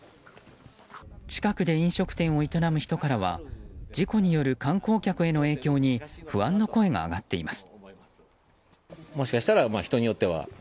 近くで飲食店を営む人からは事故による観光客への影響に不安の声が上がっています。